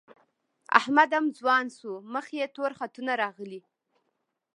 احمد هم ځوان شو، مخ یې تور خطونه راغلي